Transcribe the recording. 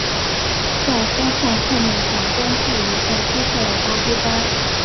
在鳃缝后面上端据一个黑色大圆斑。